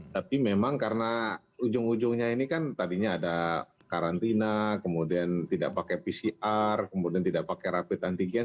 tapi memang karena ujung ujungnya ini kan tadinya ada karantina kemudian tidak pakai pcr kemudian tidak pakai rapid antigen